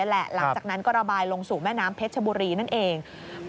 หลังจากนั้นก็ระบายลงสู่แม่น้ำเพชรชบุรีนั่นเอง